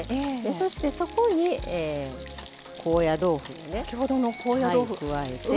そして、そこに高野豆腐を加えて。